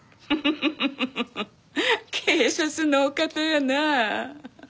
フフフフ警察のお方やなあ。